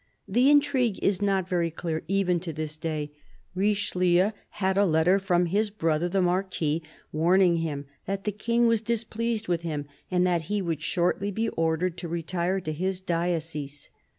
The intrigue is not very clear, even to this day. Riche lieu had a letter from his brother, the Marquis, warning him that the King was displeased with him and that he would shortly be ordered to retire to his diocese.